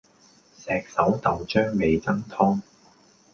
石狩豆漿味噌湯